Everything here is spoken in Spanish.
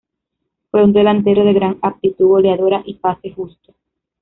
Fue un delantero de gran aptitud goleadora y pase justo.